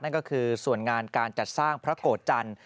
นั่นก็คือส่วนงานการจัดสร้างพระโกรธจันทร์